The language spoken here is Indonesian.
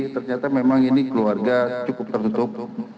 ternyata memang ini keluarga cukup tertutup